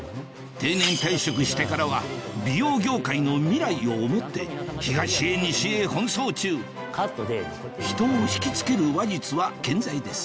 定年退職してからは美容業界の未来を思って東へ西へ奔走中人を引きつける話術は健在です